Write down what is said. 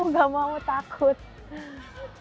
terus sinsin ngatasinnya gimana tuh